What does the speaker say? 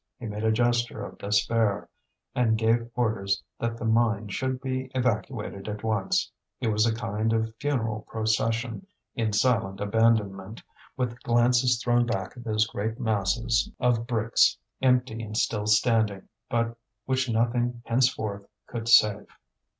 He made a gesture of despair, and gave orders that the mine should be evacuated at once. It was a kind of funeral procession, in silent abandonment, with glances thrown back at those great masses of bricks, empty and still standing, but which nothing henceforth could save.